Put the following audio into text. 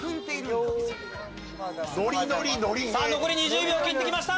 残り２０秒切ってきました。